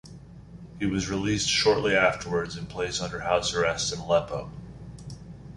He was released shortly afterwards and placed under house arrest in Aleppo.